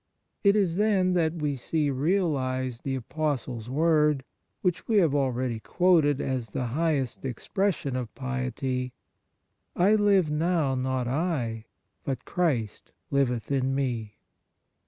It is then that we see realized the Apostle's word, which we have already quoted as the highest expres sion of piety :" I live, now not I ; but Christ liveth in me."